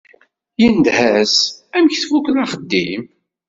Yendeh-as: Amek tfukeḍ axeddim?